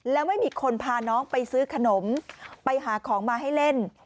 แล้วไม่มีคนพาน้องไปซื้อขนมไปหาของมาให้เล่น